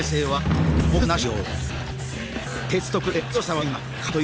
はい！